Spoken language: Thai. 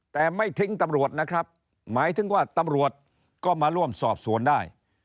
แต่ไม่ทิ้งตำรวจนะครับหมายถึงว่าตำรวจก็มาร่วมสอบสวนได้